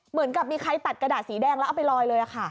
เหมือนกับมีใครตัดกระดาษสีแดงแล้วเอาไปลอยเลยค่ะ